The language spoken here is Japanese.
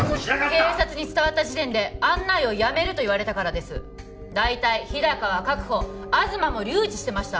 警察に伝わった時点で案内をやめると言われたからです大体日高は確保東も留置してました！